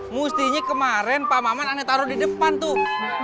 mestinya kemarin pak maman aneh taruh di depan tuh